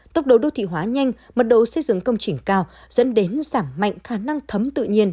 tốc độ đô thị hóa nhanh mật độ xây dựng công trình cao dẫn đến giảm mạnh khả năng thấm tự nhiên